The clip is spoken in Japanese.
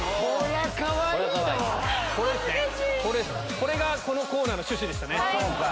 これがこのコーナーの趣旨でしたね。